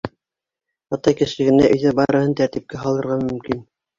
Атай кеше генә өйҙә барыһын тәртипкә һалырға мөмкин.